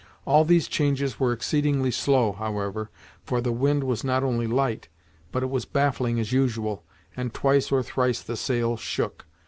All these changes were exceedingly slow, however, for the wind was not only light, but it was baffling as usual, and twice or thrice the sail shook.